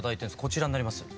こちらになります。